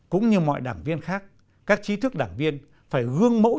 cũng như mọi đảng viên khác các trí thức đảng viên phải gương mẫu